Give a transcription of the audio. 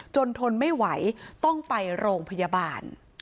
ทนไม่ไหวต้องไปโรงพยาบาล